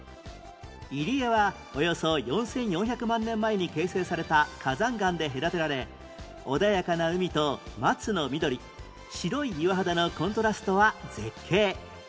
入り江はおよそ４４００万年前に形成された火山岩で隔てられ穏やかな海と松の緑白い岩肌のコントラストは絶景